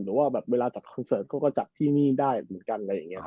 หรือว่าเวลาจับคอนเซิร์ตก็จับที่นี่ได้เหมือนกัน